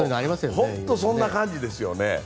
本当にそんな感じですよね。